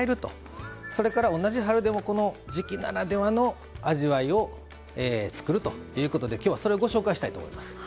それから同じ春でもこの時季ならではの味わいを作るということできょうはそれをご紹介したいと思います。